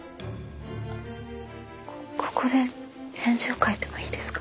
ここで返事を書いてもいいですか？